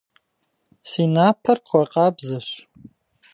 Си напэр пхуэкъабзэщ.